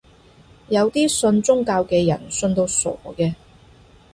有啲信宗教嘅人信到傻嘅